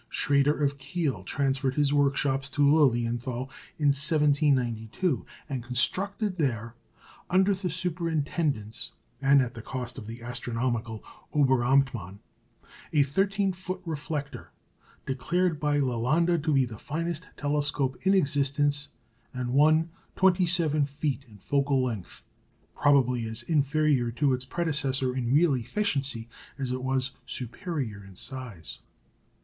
Schrader of Kiel transferred his workshops to Lilienthal in 1792, and constructed there, under the superintendence and at the cost of the astronomical Oberamtmann, a thirteen foot reflector, declared by Lalande to be the finest telescope in existence, and one twenty seven feet in focal length, probably as inferior to its predecessor in real efficiency as it was superior in size.